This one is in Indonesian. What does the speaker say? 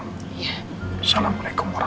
gak ada yang mau berbicara